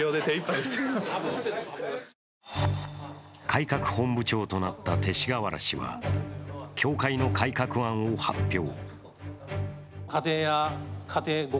改革本部長となった勅使河原氏は教会の改革案を発表。